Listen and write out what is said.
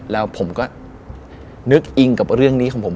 แล้วผมก็นึกอิงกับเรื่องนี้ของผม